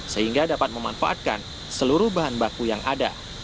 sehingga dapat memanfaatkan seluruh bahan baku yang ada